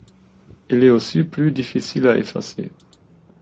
Il est aussi plus difficile à effacer.